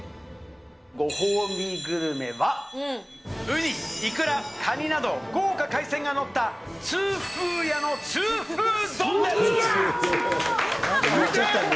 ご褒美グルメは、ウニ、イクラ、カニなど、豪華海鮮が載った痛風屋の痛風丼です！